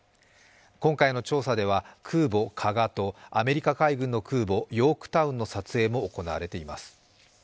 今回の調査では空母「加賀」とアメリカ海軍の空母「ヨークタウン」の撮影も行われています。